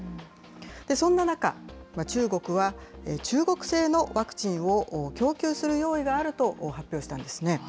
そんな中、中国は中国製のワクチンを供給する用意があると発表したんですね。